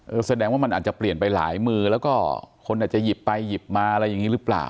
แสดงว่ามันอาจจะเปลี่ยนไปหลายมือแล้วก็คนอาจจะหยิบไปหยิบมาอะไรอย่างนี้หรือเปล่า